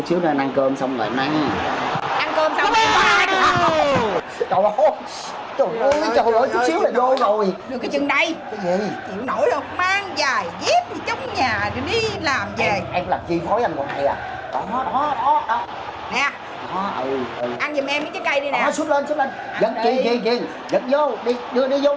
bác sĩ nói là ăn cơm xong không được ăn trái cây anh phải ăn cái bụng đói để trái cây nó mới hấp thu tốt